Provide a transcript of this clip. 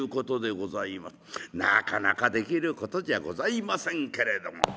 なかなかできることじゃございませんけれども。